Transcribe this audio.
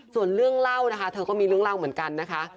ส่วนเรื่องเล่านะคะเธอก็มีเรื่องเล่าเหมือนกันนะคะ